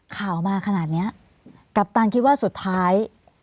ข่าวมาขนาดนี้กัปตันคิดว่าสุดท้าย